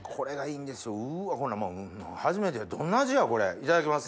いただきます。